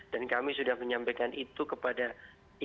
dan kami sudah menyampaikan itu kepada ikatan dokter indonesia